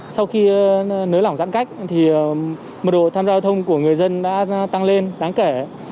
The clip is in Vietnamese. sau khi nới lỏng giãn cách mật độ tham gia giao thông của người dân đã tăng lên đáng kể